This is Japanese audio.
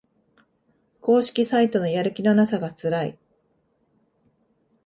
公式サイトのやる気のなさがつらい